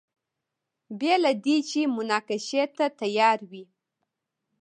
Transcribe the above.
بې له دې چې مناقشې ته تیار وي.